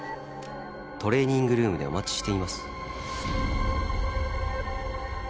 「トレーニングルームでお待ちしています」